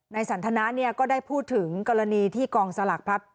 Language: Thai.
สันทนาก็ได้พูดถึงกรณีที่กองสลากพัด